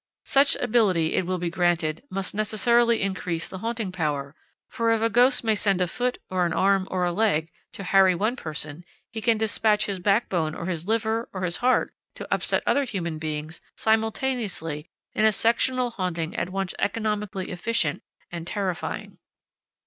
Such ability, it will be granted, must necessarily increase the haunting power, for if a ghost may send a foot or an arm or a leg to harry one person, he can dispatch his back bone or his liver or his heart to upset other human beings simultaneously in a sectional haunting at once economically efficient and terrifying.